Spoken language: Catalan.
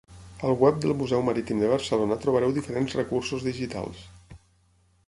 Al web del Museu Marítim de Barcelona trobareu diferents recursos digitals.